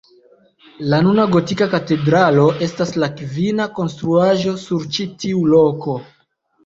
La nuna gotika katedralo estas la kvina konstruaĵo sur ĉi tiu loko.